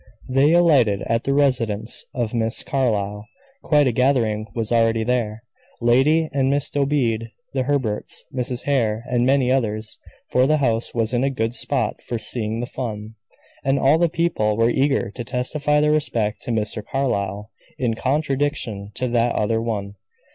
They alighted at the residence of Miss Carlyle. Quite a gathering was already there. Lady and Miss Dobede, the Herberts, Mrs. Hare, and many others; for the house was in a good spot for seeing the fun; and all the people were eager to testify their respect to Mr. Carlyle, in contradiction to that other one.